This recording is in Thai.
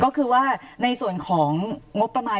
ก็คือว่าในส่วนของงบประมาณ